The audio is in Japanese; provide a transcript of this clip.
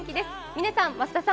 嶺さん、増田さん